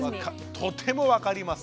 とても分かります。